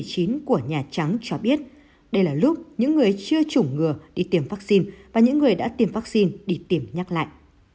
của nhà trắng cho biết đây là lúc những người chưa chủng ngừa đi tìm vaccine và những người đã tìm vaccine đi tìm nhắc lại